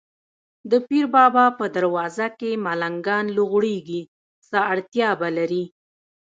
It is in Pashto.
د پیر بابا په دروازه کې ملنګان لوغړېږي، څه اړتیا به لري.